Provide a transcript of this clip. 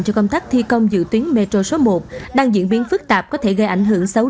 cho công tác thi công dự tuyến metro số một đang diễn biến phức tạp có thể gây ảnh hưởng xấu